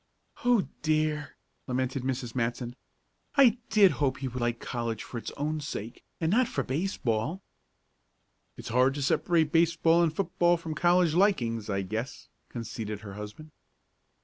"Oh dear!" lamented Mrs. Matson. "I did hope he would like college for its own sake, and not for baseball." "It's hard to separate baseball and football from college likings, I guess," conceded her husband.